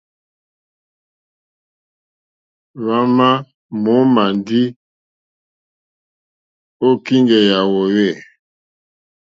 Hwámà mǒmá ndí ô kíŋgɛ̀ yà hwòhwê.